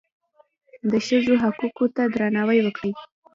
د ښځو حقوقو ته درناوی وکړئ